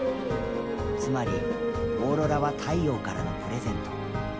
つまりオーロラは太陽からのプレゼント。